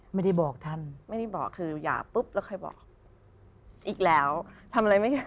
ไม่ได้บอกท่าน